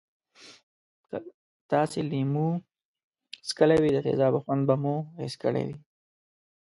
که تاسې لیمو څکلی وي د تیزابو خوند به مو حس کړی وی.